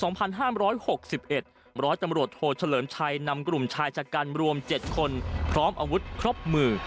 ร้อยตำรวจโทเฉลิมชัยนำกลุ่มชายชะกันรวม๗คนพร้อมอาวุธครบมือ